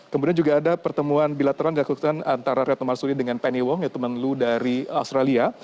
kemudian juga ada pertemuan bilateral dilakukan antara retno marsudi dengan penny wong yaitu menlu dari australia